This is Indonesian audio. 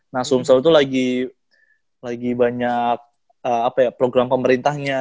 nah sumsel itu lagi banyak program pemerintahnya